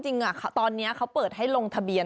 จะบอกว่าจริงตอนนี้เขาเปิดให้ลงทะเบียน